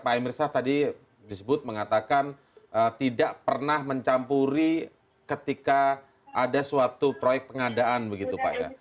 pak emirsah tadi disebut mengatakan tidak pernah mencampuri ketika ada suatu proyek pengadaan begitu pak ya